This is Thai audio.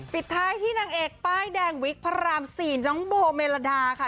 ปิดท้ายที่นางเอกป้ายแดงวิกพระราม๔น้องโบเมลดาค่ะ